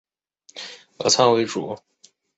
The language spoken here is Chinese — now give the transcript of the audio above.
经营品种以俄餐为主。